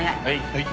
はい。